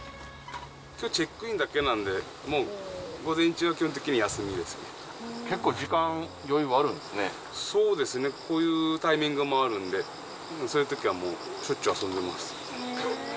きょうチェックインだけなんで、もう午前中は基本的に休みで結構時間、余裕はあるんですそうですね、こういうタイミングもあるんで、そういうときはもう、しょっちゅう遊んでます。